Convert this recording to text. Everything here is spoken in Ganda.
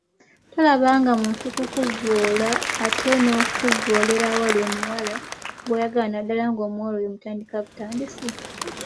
Tolaba nga muntu kukuvvoola ate n’okuvvoolera awali omuwala gw’oyagala naddala ng’omuwala oyo omutandika butandisi!